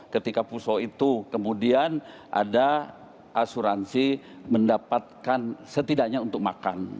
ketika puso itu kemudian ada asuransi mendapatkan setidaknya untuk makan